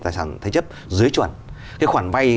tài sản thế chất dưới chuẩn cái khoản vay